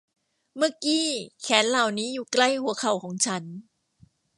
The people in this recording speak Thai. เมื่อกี้แขนเหล่านี้อยู่ใกล้หัวเข่าของฉัน